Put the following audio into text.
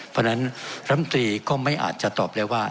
เพราะฉะนั้นรับหนุนตรีก็ไม่อาจจะตอบเลยว่า